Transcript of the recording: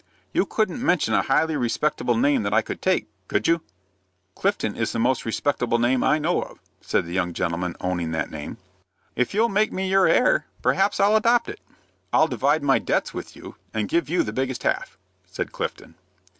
You couldn't mention a highly respectable name that I could take, could you?" "Clifton is the most respectable name I know of," said the young gentleman owning that name. "If you'll make me your heir, perhaps I'll adopt it." "I'll divide my debts with you, and give you the biggest half," said Clifton.